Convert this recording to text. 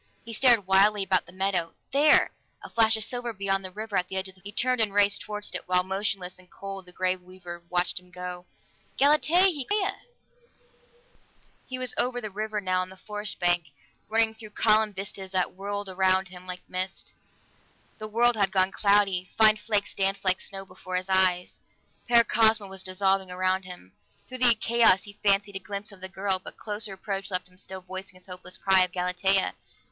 He stared wildly about the meadow there! A flash of silver beyond the river, at the edge of the forest. He turned and raced toward it, while motionless and cold the Grey Weaver watched him go. "Galatea!" he called. "Galatea!" He was over the river now, on the forest bank, running through columned vistas that whirled about him like mist. The world had gone cloudy; fine flakes danced like snow before his eyes; Paracosma was dissolving around him. Through the chaos he fancied a glimpse of the girl, but closer approach left him still voicing his hopeless cry of "Galatea!"